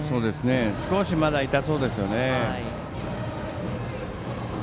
少しまだ痛そうですよね。